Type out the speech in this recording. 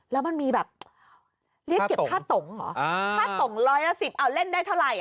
แล้วมันมีแบบเก็บท่าต่งเหรออ่าท่าต่งร้อยละสิบเอาเล่นได้เท่าไหร่